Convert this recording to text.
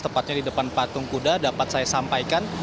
tepatnya di depan patung kuda dapat saya sampaikan